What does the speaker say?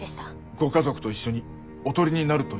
ご家族と一緒におとりになるということですか？